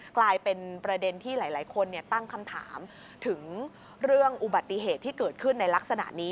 กลายเป็นประเด็นที่หลายคนตั้งคำถามถึงเรื่องอุบัติเหตุที่เกิดขึ้นในลักษณะนี้